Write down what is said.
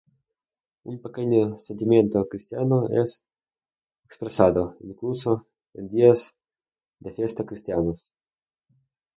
Un pequeño sentimiento cristiano es expresado, incluso en días de fiesta cristianos.